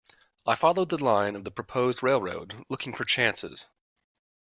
I followed the line of the proposed railroad, looking for chances.